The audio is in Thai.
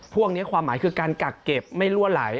พวกนี้ความหมายคือการกักเก็บไม่รั่วไหล